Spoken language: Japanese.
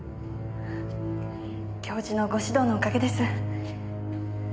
教授のご指導のおかげです。